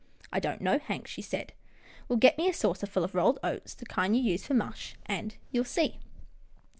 " I don't know, Hank," she said. " Well, get me a saucer full of rolled oats, the kind you use for mush, and you'll see."